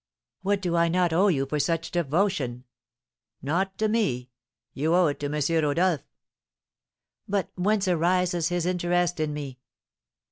'" "What do I not owe you for such devotion?" "Not to me, you owe it to M. Rodolph." "But whence arises his interest in me?"